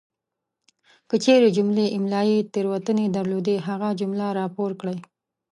کچیري جملې املائي تیروتنې درلودې هغه جمله راپور کړئ!